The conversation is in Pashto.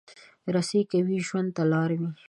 رسۍ که وي، ژوند ته لاره وي.